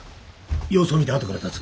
様子を見て後から発つ。